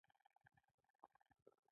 د ځوابي دفاع لاره خپله نه شي.